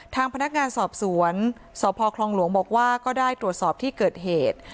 ทางพนักงานสอบสวนสพคลองหลวงบอกว่าก็ได้ตรวจสอบที่เกิดเหตุ